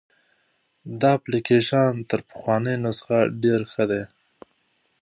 دا اپلیکیشن تر پخواني نسخه ډېر ښه دی.